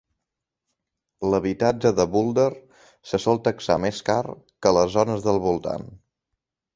L'habitatge de Boulder se sol taxar més car que a les zones del voltant.